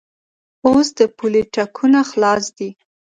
اوس د پولې ټکونه خلاص دي.